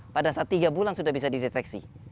pada saat tiga bulan sudah bisa dideteksi